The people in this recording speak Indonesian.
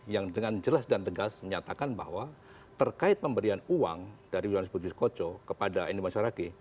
yang dengan jelas dan tegas menyatakan bahwa terkait pemberian uang dari budi soenis koco kepada eni maulwini saraghe